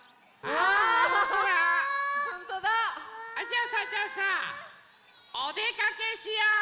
あっじゃあさじゃあさおでかけしようよ！